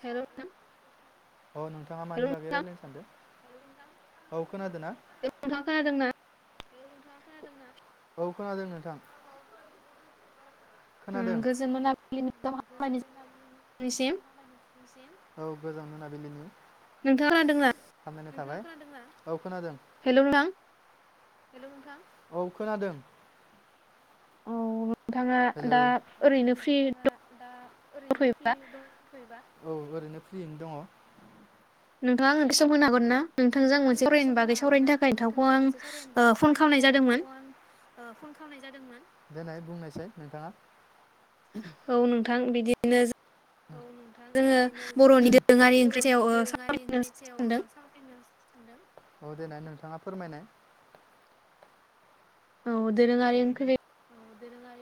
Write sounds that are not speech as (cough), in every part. हेल' नोंथां। अ नोंथाङा मानि बागै रायलायनो सानदो? औ खोनादो ना? औ खोनादों नोंथां। ओम गोजोन मोनाबिलिन गाहाम (unintelligible) हामलायनाय निसिम औ गोजों मोनाबिलिनि हामलायनाय थाबाय। दोंना औ। खोनादों हेल' नोंथां। औ खोनादों। नोंथाङा दा ओरैनो फ्रि द दफैबा। ओरैनो फ्रियैनो दङ। नोंथाङा आं ओसे सम होनो हागोन ना? नोंथाङा आंनो (unintelligible) हागन ना नोंथांजों मोनसे सावरायनो बागै सावरायनो थाखाय नोंथांखौ आं ओ फन खामनाय जादोंमोन। देनाय बुंनायसाय नोंथाङा। औ नोंथां बिदि बिनो औ नोंथां बिदिनो जोङो (unintelligible) बर'नि दोरोङारि ओंख्रिनि सायाव ओ सावरायनो सानदों। औ देनाय नोंथाङा फोरमायनाय औ दोरोङारि ओंख्रि।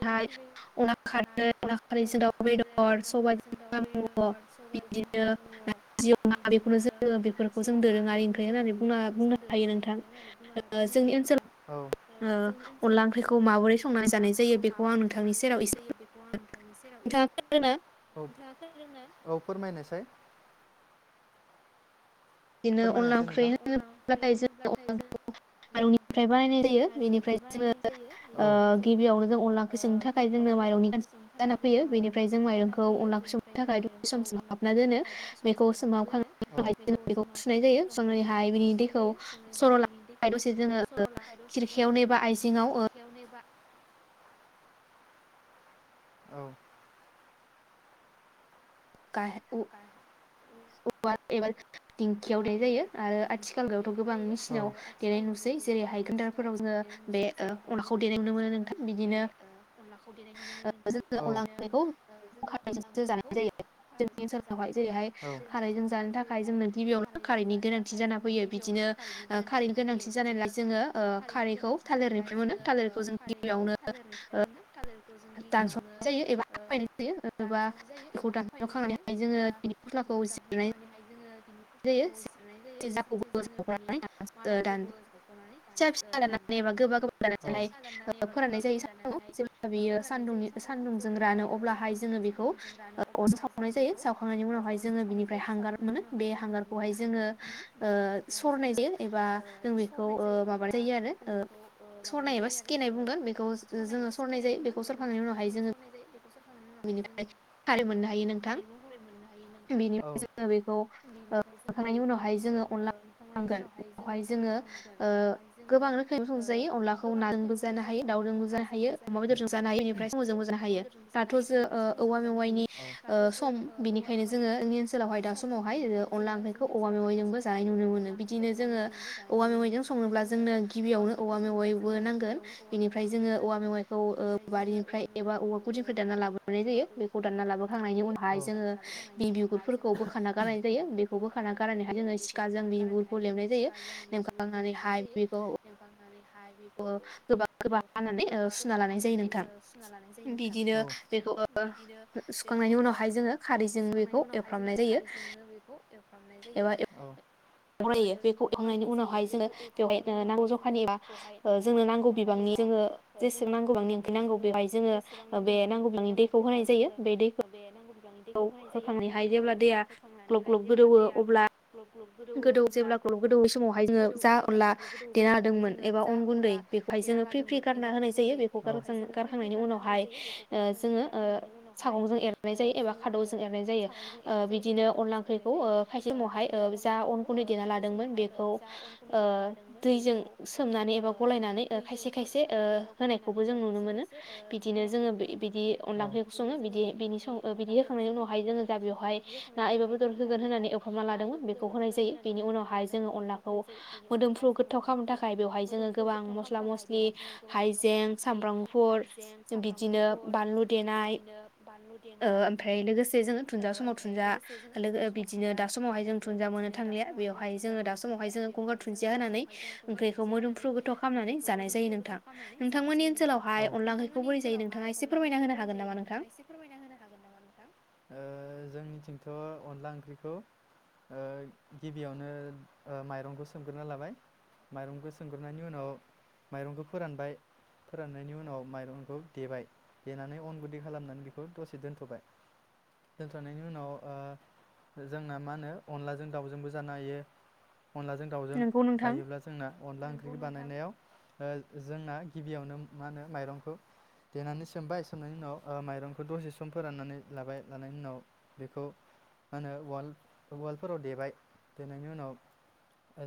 फाय अनला खारै अनला खारैजों दाउ बेदर सबायाइजों साम' बिदिनो नारजि अमा बेखौनो जोङो बेफोरखौ जों दोरोङारि ओंख्रि होननानै बुं बुंनो हायो नोंथां ओ जोंनि ओनसोलाव ओ अनला ओंख्रिखौ माबोरै अनला ओंख्रिखौ माबोरै संनानै जानाय जायो बेखौ आं नोंथांनि सेराव एसे बुंनो औ--नोंथाङा खोनादोंना?? औ फोरमायनायसाय। बिदिनो अनला ओंख्रि होनोब्लाथाय जों अनला ओंख्रिखौ माइरंनिफ्राय बानायनाय जायो बेनिफ्राय जोङो ओ गिबियावनो जों अनला ओंख्रि संनो थाखाय जोंनो माइरंनि ग (inaudible) जाना फैयो बेनिफ्राय जों माइरंखौ अनला (inaudible) संनो थाखाय दसे सम सोमहाबना दोनो बेखौ सोमा (inaudible) जों बेखौ (inaudible) नाय जायो (inaudible) हाय बिनि दैखौ सर' दैखौ सर'लानाय दसे जोङो (inaudible) एबा औ। (inaudible) उ उवाला एबा उवाल एबा दिंखियाव देनाय जायो औ आथिखालावथ' गोबां मेसिनाव देनाय नुसै जेरैहाय ग्रेनडारफोराव जोङो बे ओ अनलाखौ। ओ जों (inaudible) ओंख्रिखौ खारैजोंसो जानाय जायो जोंनि ओनसोलावहाय जेरैहाय खारैजों जानो थाखाय जोंनो खारैजों जानो थाखाय जोंनो गिबियावनो खारैनि गोनांथि जाना फैयो बिदिनो ओ खारैनि गोनांथि जानायलाय जोङो ओ खारैखौ थालिरनिफ्राय मोनो थालिर दानस'नाय जायो एबा हाफायनाय जायो ओ एबा बेखौ दानसखांनानैहाय जोङो बेनि फस्लाखौ जिरनाय थालिर फस्लाखौ जिरनाय जायो जाहाते जोङो बिनि मादाखौबो बख'नानै दान ओ दान औ फिसा फिसा दाननानै एबा गोबा गोबा दाननानैहाय ओ फोराननाय जायो सानुङआव जेब्ला बियो सादुंनि सानदुंजों रानो अब्लाहाय जोङो बेखौ ओ अरजों सावनाय जायो सावखांनायनि उनावहाय हांगारखौहाय जोङो ओ सरनाय जायो एबा जों बेखौ ओ माबानाय जायो आरो ओ सरनाय एबा सिखिनाय बुंगोन बेखौ जोङो सरनाय जायो बेखौ सरखांनायनि उनावहाय जोङो बेनिफ्राय खारै मोननो हायो नोंथां बेनिफ्राय जोङो बेखौ ओ (inaudible) खांनायनि उनावहाय जोङो अनला (inaudible) गोन बेावहाय जोङो ओ गोबां रोखोमैबो संजायो अनलाखौ नाजोंबो जानो हायो, दाउजोंबो जानो हायो, अमा बेदरजों जानो हायो, बेनिफ्राय साम'जोंबो जानो हायो। जानो हायो बेनिफ्राय साम'जोंबो जानो हायो औ दाथ' जों ओ औवा मेवाइनि ओ सम (inaudible) अनला ओंख्रिखौ औवा मेवाइजोंबो जानाय नुनो मोनो बिदिनो जोङो औवा मेवाइजों संङोब्ला जोंनो गिबियावनो औवा मेवाइबो नांगोन बिनिफ्राय जोङो औवा मेवाइखौ ओ बारिनिफ्राय एबा औवा गुदिनिफ्राय दान लाबोनाय जायो बेखौ दानना लाबोखांनायनि उनावहाय जोङो बि बिगुरफोरखौ बोखारना जायो बेखौ बोखाना गारनानैहाय जोङो सिखाजों बिनि बिगुरखौ लेबनाय जायो लेबखांनानैहाय बेखौ गोबा गोबा हानानै ओ सुना लानाय जायो नोंथां बिदिनो बेखौ ओ सुखांनायनि उनावहाय जोङो खारैजों बेखौ एवफ्रामनाय जायो। (inaudible) खालामनाय जायो एवग्रोयो बेखौ एवखांनायनि उनावहाय जोङो बेवहाय नांगौ जखानि एबा जोंनो नांगौ बिबांनि जोङो जेसे नांगौबांनि ओंख्रि नांगौ बेवहाय जोङो बे नांगौ बिबांनि दैखौ होनाय जायो बे दैखौ खौ होखांनानैहाय जेब्ला दैया ग्लब ग्लब गोदौयो अब्ला गोदौ जेब्ला ग्लब गोदौैनाय समावहाय जोङो जा अनला देना होदोंमोन एबा अन गुन्दै बेखौहाय जोङो फ्रि फ्रि गारना होनाय जायो बेखौ गारखां गारखांनायनि उनावहाय ओ जोङो ओ सागंजों एरनाय जायो एबा खादौजों एरनाय जायो ओ बिदिनो अनला ओंख्रिखौ ओ खायसे समावहाय ओ अन गुन्दै देना लादोंमोन बेखौ ओ दैजों सोमनानै एबा गलायनानै खायसे खायसे ओ होनायखौबो जों नुनो मोनो बिदिनो जोङो बि बिदि अनला ओंख्रिखौ सङो बिदि बिनि सं बिदि होखांनायनि उनावहाय जोङो दा बेवहाय ना एबा बेदर होगोन होननानै एवफ्रामना लादोंमोन होनाय जायो बेनि उनावहाय जोङो अनलाखौ मोदोमफ्रु गोथाव खालामनो थाखाय बेवहाय जोङो गोबां मस्ला मस्लि हाइजें सामब्राम गुफुर बिदिनो बानलु देनाय ओ ओमफ्राय लोगोसे जों दुन्जिया समाव ओमफ्राय लोगोसे जोङो दुन्दिया समाव दुन्दिया बिदिनो दा समावहाय जों दुुनदिया मोननो थांलिया बेवहाय जोङो दा समावहाय जो गंगार दुन्दिया होनानै ओंख्रिखौ मोदोमफ्रु गोथाव खालामनानै जानाय जायो नोंथां औ नोंथांमोननि ओनसोलावहाय अनला ओंख्रिखौ बोरै जायो नोंथाङा एसे फोरमायना होनो हागोन नामा नोंथां? ओ जोंनिथिंथ' अनला ओंख्रिखौ ओ गिबियावनो ओ माइरंखौ सोमग्रोना लाबाय माइरंखौ सोमग्रोनायनि उनाव माइरंखौ फोरानबाय फोराननायनि उनाव माइरंखौ देबाय देनानै अन गुन्दै खालामनानै बेखौ दसे दोनथ'बाय नायनि उनाव ओ जोंना मा होनो अनलाजों दाउजोंबो जानो हायो। अनलाजों दाउजों जायोब्ला जोंना अनला ओंख्रि बानायनायाव ओ जोंना गिबियावनो मा होनो माइरंखौ देनानै सोमबाय सोमनायनि उनाव ओ माइरंखौ दसे सम फोराननानै लाबाय लानायनि उनाव बेखौ मा होनो उवाल उवालफोराव देबाय देनायनि उनाव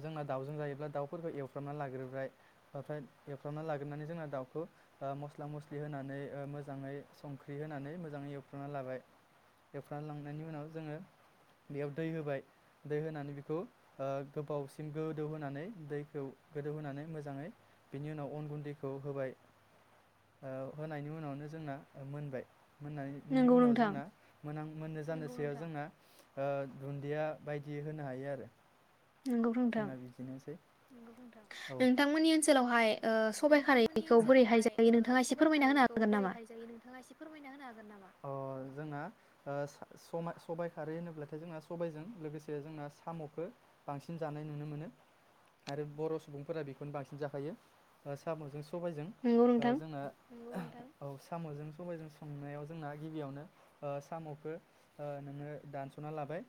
जोंना दाउजों जायोब्ला दाउफोरखो एवफ्रामना लाग्रोबाय ओमफ्राय एवफ्रामना लाग्रोननानै जोंना दाउखो मस्ला मस्लि होनानै ओ मोजाङै संख्रि होनानै मोजाङै एवफ्रामना लाबाय। एवफ्रामना लानायनि उनाव जोङो बेयाव दै होबाय दै होनानै बेखौ ओ गोबावसिम गोदौहोनानै दैखौ गोदौहोनानै मोजाङै बेनि उनाव अन गुन्दैखौ होबाय ओ होनायनि उनावनो जोंना मोनबाय। मोननायनि उनाव जोंना मोनां मोननो जानोसैयाव जोंना ओ दुन्दिया बायदि होनो हायो आरो। जोंना बिदिनोसै। नोंथांमोननि ओनसोलावहाय नोंथांमोननि ओनसोलावहाय ओ सबाइ खारैखौ बोरैहाय जायो नोंथाङा एसे फोरमायना होनो हागोन नामा? अ जोंना ओ सा-समा-सबाइ खारै होनोब्लाथाय जोंना सबाइजों लोगोसे जोंना साम'खो बांसिन जानाय नुनो मोनो आरो बर' सुबुंफोरा बेखौनो बांसिन जाखायो। ओ साम'जों सबाइजों ओ जोंना औ साम'जों सबाइजों संनायाव जोंना गिबियावनो ओ साम'खो ओ नोङो दानस'ना लाबाय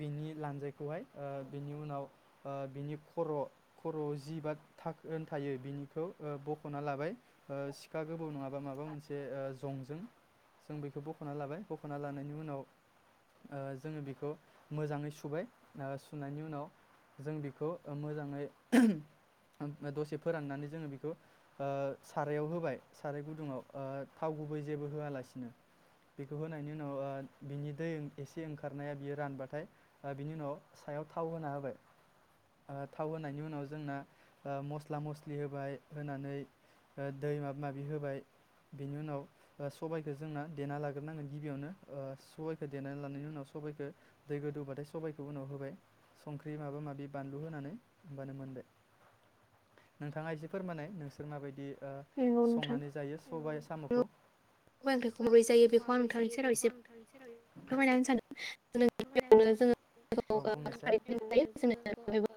बिनि लानजायखौहाय ओ बिनि उनाव ओ बिनि खर' खर'आव जि बाद धाख थायो बिनिखौ बखना लाबाय। ओ सिखा गोबौ नङाबा माबा मोनसे ओ जंजों जों बेखौ बखना लाबाय बखना लानायनि उनाव ओ जोङो बिखौ मोजाङै सुबाय ओ सुनायनि उनाव जों बेखौ ओ मोजाङै दसे फोराननानै जोङो बेखौ ओ सारायाव होबाय साराय गुदुङाव ओ थाव गुबै जेबो होआलासिनो बेखौ होनायनि उनाव ओ बिनि दै एसे ओंखारनाया बियो रानबाथाय बिनि उनाव सायाव थाव होना होबाय ओ थाव होनायनि उनाव जोंना मस स्ला मस्लि होबाय होनानै दै माबा माबि होबाय बिनि उनाव सबायखौ जोंना देना लाग्रोनांगोन गिबियावनो ओ सबायखौ देना लानायनि उनाव सबाइखौ दै गोदौबाथाय सबाइखौ उनाव होबाय संख्रि माबा माबि बानलु होनानै ओमबानो मोनबाय। नोंथाङा एसे फोरमानाय नोंसोर माबायदि ओ संनानै जायो सबाइ साम' खौ? सबाय ओंख्रिखौ माबोरै जायो बेखौ आं नोंथांनि सेराव फोरमायना होनो सानदों (unintelligible)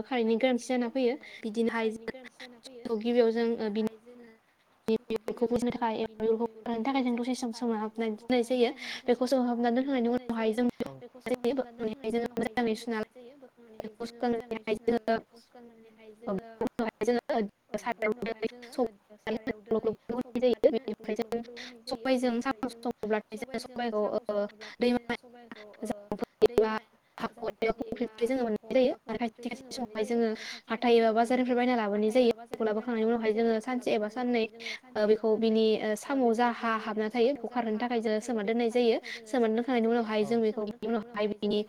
खारैनि गोनांथि जाना फैयो बिदिनो खारैनि गोनांथि जाना फैयो बिदिनोहाय जोङो गिबियाव जों बिनि बिगुरखौ गुरै जानो थाखाय बिगुरखौ खारनो थाखाय जों दसे सेम सोमहाबनानै दोननाय जायो बेखौ सोमहाबनानै दोखांनायनि उनावहाय जों बोखांनाय जायो बोखांनानैहाय जोङो मोजाङै सुनानै बेखौ सुखांनानैहाय जोङो (unintelligible) सारायाव दै संनानै होनानै ग्लब ग्लब ग्लब होनाय जायो बेनिफ्राय जों सबाइजों साम' सङोब्लाथाय जों सबाइखौ ओ दै जामफै एबा हाखर एबा फुख्रिनिफ्राय जोङो मोननाय जायो आरो खायसे खायसे समावहाय जोङो बायना लाबोनाय जायो बेखौ लाबोखांनायनि उनावह जोङो सानसे एबा साननै ओ बेखौ ओ बिनि सामाव जा हा हाबना थायो बेखौ खारहोननो थाखाय जों सोमा दोननाय जायो सोमना दोनखांनायनि उनावहाय जों बेखौ बिनि उनाव हाय बेनि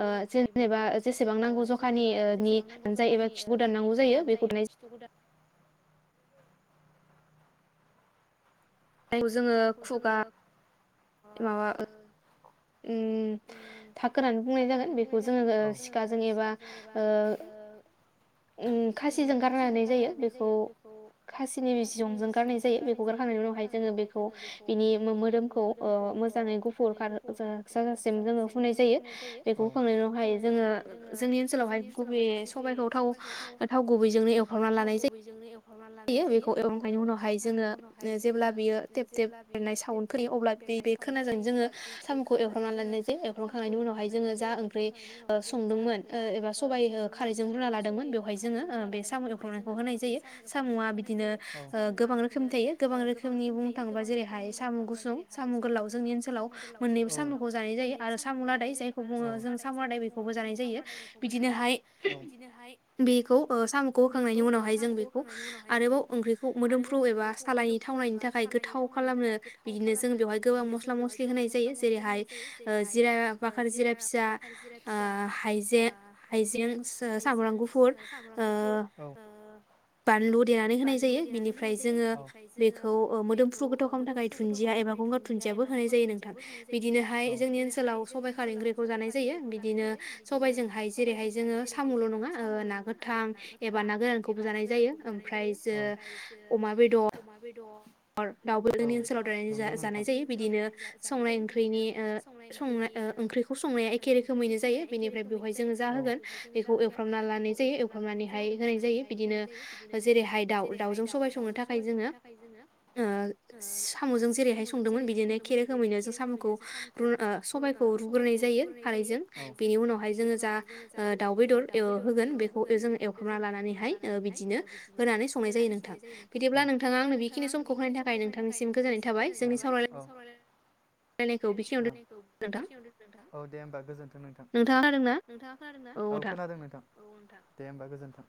ओ जेनेबा जेसेबां नांगौ जखानि लानजाय एबा खिबु दाननांगौ लानजाय एबा खिथुखौ दा जायखौ जोङो खुगा। माबा (unintelligible) उम थाख होननानै बुंनाय जागोन बेखौ जोङो सिखाजों एबा ओ उम खासिजों गारनानै जायो बेखौ खासिनि जंजों गारनाय जायो बेखौ गारखांनायनि उनावहाय जोङो बेखौ जोङो बेखौ बिनि (unintelligible) मोजाङै गुफुर खार जाजासिम जोङो हुनाय जायो बेखौ हुखांनायनि उनावहाय जोङो जोंनि ओनसोलावहाय गुबैयै सबाइखौ थाव-थाव गुबैजोंनो एवख्रावना लानाय जायो। जायो बेखौ (unintelligible) उनावहाय जोङो जेब्ला बियो टेब-टेब बेरनाय साउन्ड फैयो अब्ला बे-बे खोनाजों जोङो सामखौ एवफ्रामना लानाय जायो एवफ्रामखांनायनि उनावहाय जोङो जा ओंख्रै ओ संदोंमोन ओ एबा सबाय ओ खारैजों रुना लादोंमोन बेवहाय जोङो ओ बे साम' एवफ्रामनायखौ होनाय जायो। साम'आ बिदिनो गोबां रोखोमनि थायो गोबां रोखोमनि। बुंनो थाङोबा जेरैहाय साम गुसुं साम गोलाव जोंनि ओनसोलाव मोननैबो सामखौ जानाय जायो आरो साम लादाय जायखौ बुङो जों साम लादाय बेखौबो जानाय जायो बिदिनोहाय बेखौ सामखौ होखांनायनि उनावहाय जों बे- आरोबाव ओंख्रिखौ मोदोमफ्रु एबा सालायनि थावनायनि थाखाय सालायनि थावनायनि थाखाय गोथाव खालामनो बिदिनो जों बेवहाय गोबां मस्ला मस्लि होनाय जायो जेरैहाय ओ जिरा बाखार जिरा फिसा ओ हाइजे हाइजें सामब्राम गुफुर औ ओ लु देनानै होनाय जायो बिनिफ्राय जोङो बेखौ मोदोमफ्रु गोथाव खालामनो थाखाय धुन्दिया एबा गंगार धुन्दियाबो होनाय जायो नोंथां बिदिनोहाय जोंनि ओनसोलाव सबाइ खारै ओंख्रैखौ जानाय जायो बिदिनो सबाइजोंहाय जेरैहाय जोङो साम'ल' नङा ओ ना गोथां एबा ना गोरानखौबो जानाय जायो। जानाय जायो ओमफ्राय जो अमा बेदर र औ दाउ बेदर नंगौ नोंथां (unintelligible) ओनसोलाव जानाय जायो बिदिनो संनाय ओंख्रिनि ओ संनाय ओ ओंख्रिखौ संनाया एखे रोखोमैनो जायो बेनिफ्राय बेवहाय जोङो जाहोगोन बेखौ एवफ्रामना लानाय जायो एवफ्रामनानैहाय होनाय जायो बिदिनो जेरैहाय दाउ-दाउजों सबाय संनो थाखाय जोङो ओ साम'जों जेरैहाय संदोंमोन बिदिनो एखेरोखोमैनो जों साम'खौ रु ओ सबायखौ रुग्रोनाय जायो खारैजों बेनि उनावहाय जोङो जा ओ दाउ बेदर एव होगोन बेखौ जोङो एवफ्रामना लानानैहाय ओ बिदिनो होनानै संनाय जायो नोंथां बिदिब्ला नोंथाङा आंनो बेखिनि सम बेखिनि समखौ होनायनि थाखाय नोंथांनिसिम गोजोनाय थाबाय जोंनि सावराय (inaudible) औ दे होमबा गोजोनथों नोंथां नोंथाङा खोनादोंना औ खोनादों नोंथां। औ नोंथां दे होमबा गोजोन्थों।